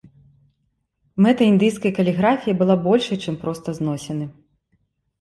Мэта індыйскай каліграфіі была большай, чым проста зносіны.